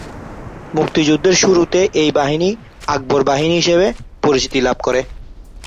মুক্তিযুদ্ধের শুরুতে এই বাহিনী 'আকবর বাহিনী' হিসেবে পরিচিতি লাভ করে।